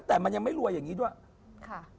แต่มันยังไม่รวยอย่างนี้ด้วยค่ะ